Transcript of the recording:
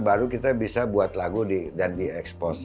baru kita bisa buat lagu dan di expose